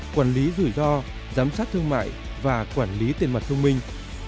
quản lý rủi ro giám sát thương mại và quản lý tiền mặt thông minh